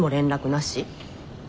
なし。